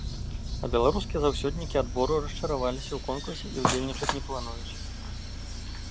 А беларускія заўсёднікі адбору расчараваліся ў конкурсе і ўдзельнічаць не плануюць.